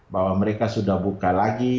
bahwa mereka sudah buka lagi